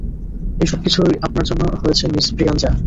এই সব কিছুই আপনার জন্য হয়েছে মিস ব্রিগাঞ্জা।